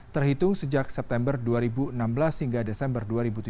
terhitung sejak september dua ribu enam belas hingga desember dua ribu tujuh belas